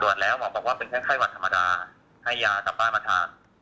หมอบอกว่าเป็นแค่ไข้หวัดธรรมดาให้ยากลับบ้านมาทาน